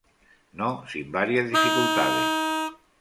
No sin varias dificultades.